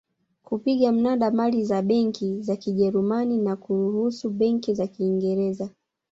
kupiga mnada mali za benki za Kijerumani na kuruhusu benki za Kiingereza